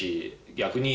逆に。